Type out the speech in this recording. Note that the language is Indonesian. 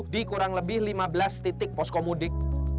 di kurang lebih lima belas titik poskomudik